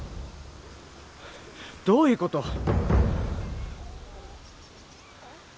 どういうこと？